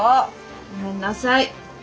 ごめんなさい。